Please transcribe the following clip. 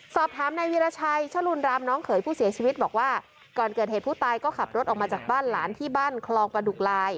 สอบถามในวีรชัยชะลูนรามน้องเขยผู้เสียชีวิตบอกว่าก่อนเกิดเหตุผู้ตายก็ขับรถออกมาจากบ้านหลานที่บ้านคลองประดุกลาย